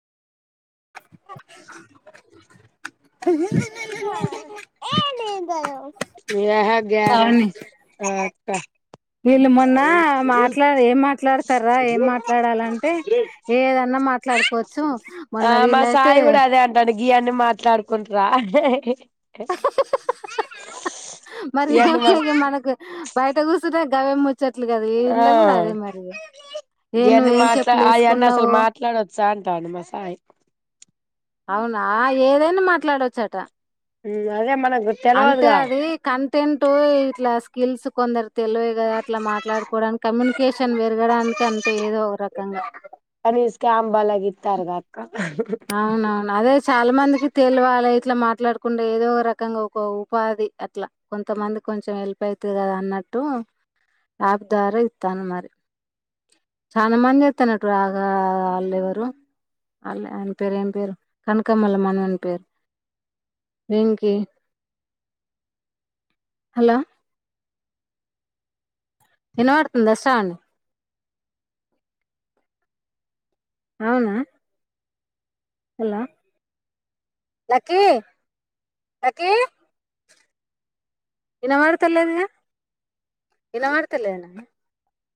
అహ హ అవును [inaudible] వీళ్ళు మొన్న మాట్లాడ ఏం మాట్లాడతారా ఏం మాట్లాడాలంటే ఏదన్ ఆ మా సాయి కూడా అదే అంటాడు గి అన్ని మాట్లాడుకుంట్ రా హే హే మరి ఏమున్నా మనకు బయట కూర్చున్న గవె ముచ్చట్లు ముచ్చట్లు కదా ఏ ఇండ్ల కూడా అదే మరి ఏ గివన్ని నువ్వేం మాట్లాడచ్చ చెప్పులు అవన్నీ అసలు వేసుకున్నావు మాట్లాడొచ్చ అంటా అని మా సాయి. అవునా ఏదైనా మాట్లాడచ్చట ఉ అదే మ అంతే అది కంటెంట్ ఇట్లా స్కిల్స్ కొందరు తెలియద్ కదా అట్లా మాట్లాడుకోవడానికి కమ్యూనికేషన్ పెరగడానికి అంతే ఏదో ఒ అని స్కాం బలగి ఇత్తరు కదా అక్క అవునవును అదే చాలా మందికి తెలివాలే ఇట్లు ఇట్లా మాట్లాడుకుంటే ఏదో ఒక రకంగా ఒక్ ఒక ఉపాధి అట్లా, కొంతమంది కొంచెం హెల్ప్ అవుతుంది కదా అన్నట్. తు ఆ దారానో ఇత్త అను మరి చాలా మంది అత్తనటు ఆగా ఆల్లు ఎవరు అల్లే ఆయన పేరు ఏమ్ పేరు అన కనకమ్మల మనవుని పేరు. వెంకీ హలో వినపడుతుందా శ్రావణి అవునా హలో వినపడుతా తెలేదుగా వినపడుతా లేదు నాకు